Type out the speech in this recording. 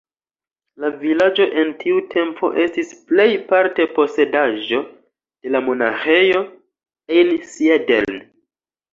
La vilaĝo en tiu tempo estis plej parte posedaĵo de la Monaĥejo Einsiedeln.